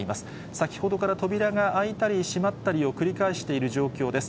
先ほどから扉が開いたり閉まったりを繰り返している状況です。